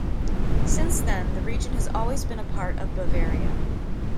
Since then the region has always been a part of Bavaria.